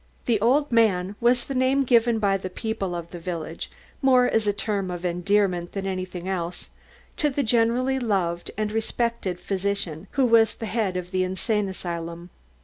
The "old man" was the name given by the people of the village, more as a term of endearment than anything else, to the generally loved and respected physician who was the head of the insane asylum.